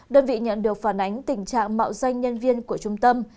đơn vị nhận được phản ánh tình trạng mạo danh nhân viên của trung tâm